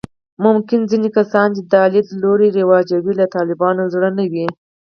ممکن ځینې کسان چې دا لیدلوري رواجوي، له طالبانو زړه نه وي